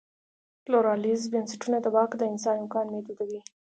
پلورالایز بنسټونه د واک دانحصار امکان محدودوي.